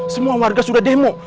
semua warga sudah demo